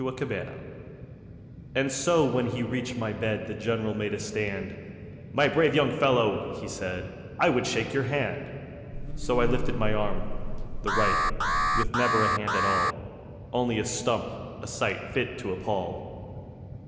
_ Grand père And so when he reached my bed The General made a stand: "My brave young fellow," he said, "I would shake your hand." So I lifted my arm, the right, With never a hand at all; Only a stump, a sight Fit to appal.